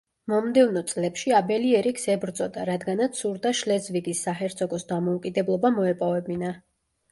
მომდევნო წლებში, აბელი ერიკს ებრძოდა, რადგანაც სურდა შლეზვიგის საჰერცოგოს დამოუკიდებლობა მოეპოვებინა.